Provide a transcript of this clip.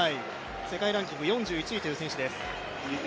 世界ランキング４１位という選手です。